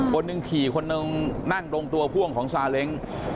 คนหนึ่งขี่คนหนึ่งนั่งตรงตัวพ่วงของซาเล้ง